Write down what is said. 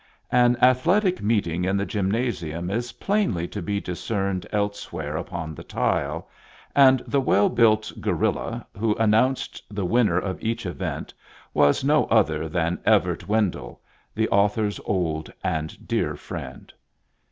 An athletic meeting in the Gym nasium is plainly to be discerned elsewhere upon the tile, and the well built gorilla who announced the winner of each event was no other than Evert Wendell, the Author's old and dear friend.